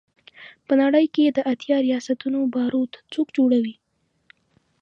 په نړۍ کې د اتیا ریاستونو بارود څوک جوړوي.